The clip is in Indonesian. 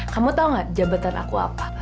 kamu tau gak jabatan aku apa